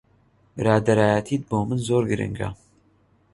برادەرایەتیت بۆ من زۆر گرنگە.